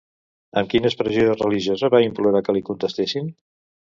Amb quina expressió religiosa va implorar que li contestessin?